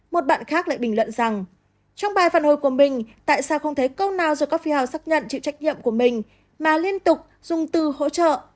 một bạn khác lại bình luận rằng trong bài phản hồi của mình tại sao không thấy câu nào the coffee house xác nhận chịu trách nhiệm của mình mà liên tục dùng từ hỗ trợ